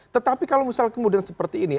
tetapi kalau misal kemudian seperti ini